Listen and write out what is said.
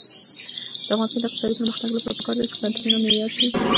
د افغانستان د اقتصادي پرمختګ لپاره پکار ده چې پوهنتونونه معیاري شي.